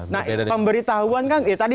nah pemberitahuan kan